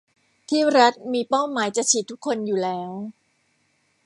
ที่รัฐมีเป้าหมายจะฉีดทุกคนอยู่แล้ว